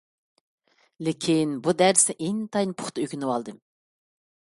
لېكىن، بۇ دەرسنى ئىنتايىن پۇختا ئۆگىنىۋالدىم.